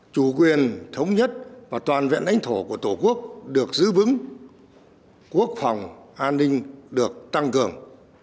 chủ quyền thống nhất và toàn vẹn đánh thổ của tổ quốc được giữ vững quốc phòng an ninh được tăng cường